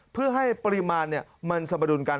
เพื่อให้ปริมาณมันสมดุลกัน